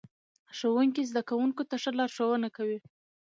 ښوونکی زده کوونکو ته ښه لارښوونه کوي